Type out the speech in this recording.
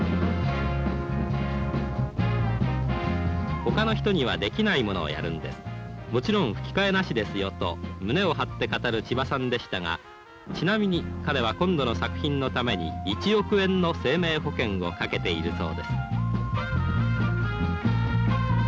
ほかの人にはできないものをやるんです、もちろん吹き替えなしですよと、胸を張って語る千葉さんでしたが、ちなみに彼は今度の作品のために、１億円の生命保険をかけているそうです。